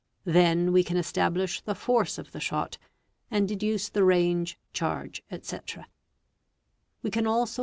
Then, we can establish } the force of the shot, and deduce the range, charge, &c. We. can also.